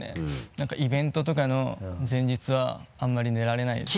何かイベントとかの前日はあんまり寝られないです。